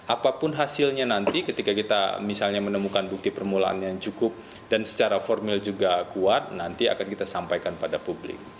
apapun hasilnya nanti ketika kita misalnya menemukan bukti permulaan yang cukup dan secara formil juga kuat nanti akan kita sampaikan pada publik